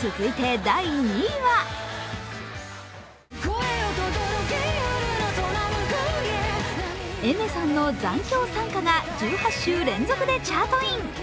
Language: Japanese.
続いて、第２位はＡｉｍｅｒさんの「残響散歌」が１８週連続でチャートイン。